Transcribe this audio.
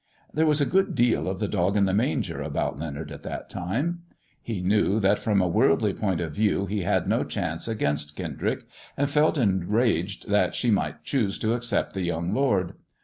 There was a good deal of the dog in the manger about Leonard at that time. He knew that from a worldly point of view he had no chance against Kendrick, and felt enraged that she might choose to accept the young Lord.